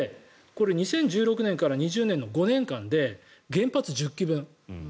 これ、２０１６年から２０２０年の５年間で原発１０基分１０００万